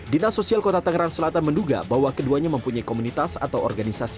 dinas sosial kota tangerang selatan menduga bahwa keduanya mempunyai komunitas atau organisasi